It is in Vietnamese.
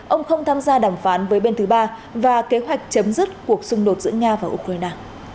ông không tham gia đàm phán với bên thứ ba và kế hoạch chấm dứt cuộc xung đột giữa nga và ukraine